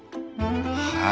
はい。